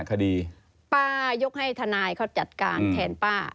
คดีป้ายกให้ทนายเขาจัดการแทนป้า